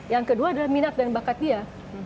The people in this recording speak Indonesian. yang kedua adalah minat dan bakat dia